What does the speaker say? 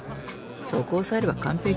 そこを押さえれば完璧。